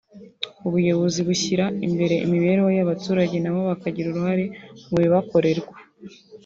ubuyobozi bushyira imbere imibereho y’abaturage nabo bakagira uruhare mu bibakorerwa